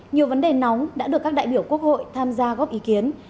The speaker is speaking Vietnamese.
nhiều vấn đề nóng đã được các đại biểu quốc hội tham gia góp ý kiến